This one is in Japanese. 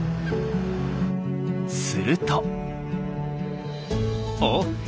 するとおっ！